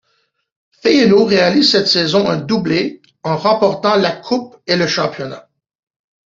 Feyenoord réalise cette saison un doublé en remportant la coupe et le championnat.